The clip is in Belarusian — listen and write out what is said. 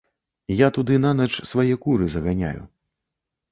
Я туды нанач свае куры заганяю.